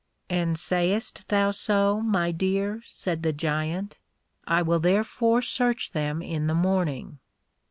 And sayest thou so, my dear? said the Giant, I will therefore search them in the morning.